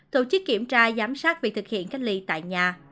tổ chức kiểm tra giám sát việc thực hiện cách ly tại nhà